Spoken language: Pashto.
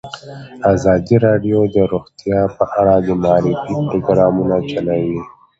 ازادي راډیو د روغتیا په اړه د معارفې پروګرامونه چلولي.